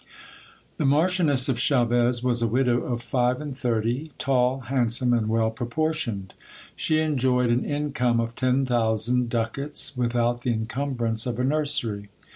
The Marchioness of Chaves was a widow of five and thirty, tall, handsome, and well proportioned. She enjoyed an income of ten thousand ducats, with out the incumbrance of a nursery.